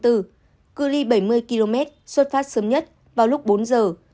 cư ly bảy mươi km xuất phát sớm nhất vào lúc bốn giờ